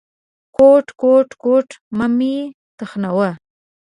_کوټ، کوټ، کوټ… مه مې تخنوه.